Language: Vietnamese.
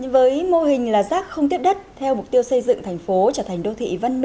với mô hình là rác không tiếp đất theo mục tiêu xây dựng thành phố trở thành đô thị văn minh